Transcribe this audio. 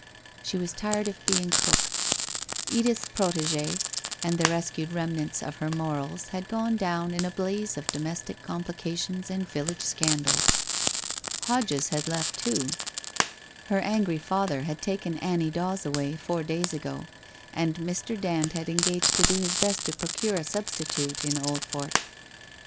She was tired of being cook. Edith's protegee and the rescued remnants of her morals had gone down in a blaze of domestic com plications and village scandals. Hodges had left too. Her angry father had taken Annie Dawes away, four days ago, and Mr. Dand had engaged to do his best to procure a substitute in Oldfort.